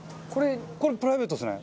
これプライベートですね。